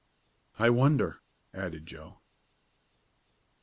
"I wonder?" added Joe.